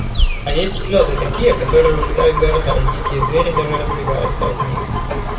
А есть слёзы такие, которые «выжигают города, и дикие звери даже разбегаются» от них.